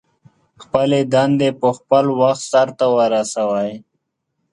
خپلې دندې په خپل وخت سرته ورسوئ.